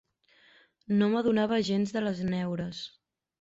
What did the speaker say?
No m'adonava gens de les neures.